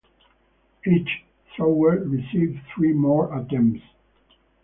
Each thrower received three more attempts.